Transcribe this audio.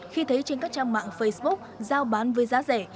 khi thấy trên các trang mạng facebook giao bán với giá rẻ